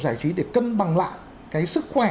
giải trí để cân bằng lại cái sức khỏe